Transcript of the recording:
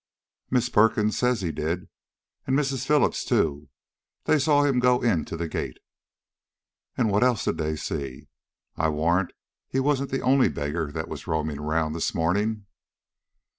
"Miss Perkins says he did, and Mrs. Phillips too; they saw him go into the gate." "And what else did they see? I warrant he wasn't the only beggar that was roaming round this morning."